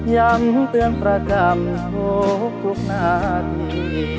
ย้ำเตือนประจำทุกนาที